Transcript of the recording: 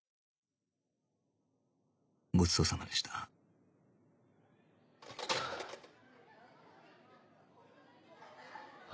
ごちそうさまでしたはあ。